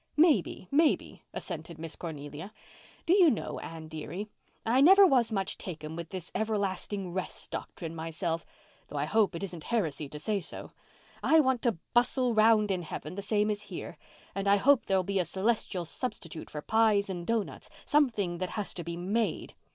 "Maybe—maybe," assented Miss Cornelia. "Do you know, Anne dearie, I never was much taken with this everlasting rest doctrine myself—though I hope it isn't heresy to say so. I want to bustle round in heaven the same as here. And I hope there'll be a celestial substitute for pies and doughnuts—something that has to be MADE.